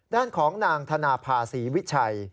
ด้านของนางธนภาษีวิชัย